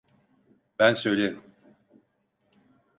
Ben söylerim.